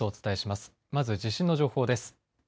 まず地震の情報です。